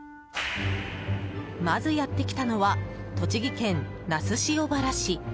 まずやってきたのは栃木県那須塩原市。